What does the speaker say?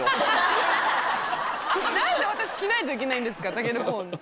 何で私着ないといけないんですかタケノコ王の。